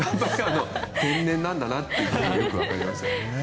天然なんだなってよく分かりました。